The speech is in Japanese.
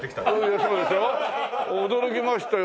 驚きましたよ。